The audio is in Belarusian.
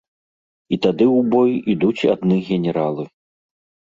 І тады ў бой ідуць адны генералы.